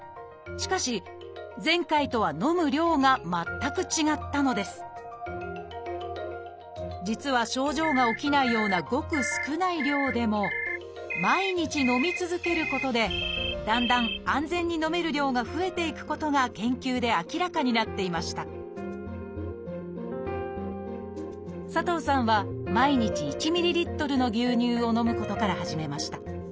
しかし前回とは飲む量が全く違ったのです実は症状が起きないようなごく少ない量でも毎日飲み続けることでだんだん安全に飲める量が増えていくことが研究で明らかになっていました佐藤さんは毎日１ｍＬの牛乳を飲むことから始めました。